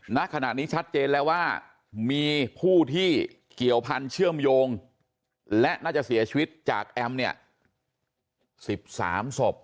ณขณะนี้ชัดเจนแล้วว่ามีผู้ที่เกี่ยวพันธ์เชื่อมโยงและน่าจะเสียชีวิตจากแอมเนี่ย๑๓ศพ